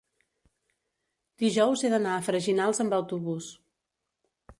dijous he d'anar a Freginals amb autobús.